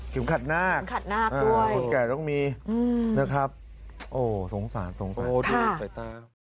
กลิ่มขัดหน้าด้วยนะครับโอ้โฮสงสารนะครับโอ้โฮดูใส่ตา